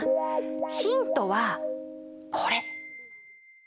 ヒントはこれ！